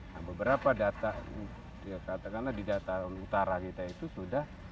nah beberapa data ya katakanlah di dataran utara kita itu sudah